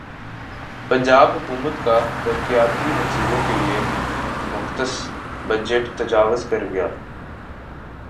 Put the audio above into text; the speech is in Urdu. پنجاب حکومت کا ترقیاتی منصوبوں کیلئےمختص بجٹ تجاوزکرگیا